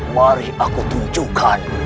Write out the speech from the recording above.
mari aku tunjukkan